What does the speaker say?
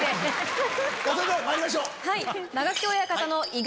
まいりましょう！